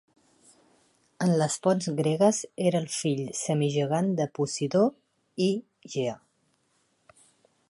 En les fonts gregues era el fill semigegant de Posidó i Gea.